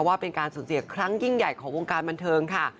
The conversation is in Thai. ว่าเป็นการสูญเสียครั้งยิ่งใหญ่ของวงการบันเทิงค่ะ